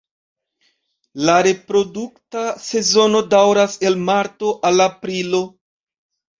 La reprodukta sezono daŭras el marto al aprilo.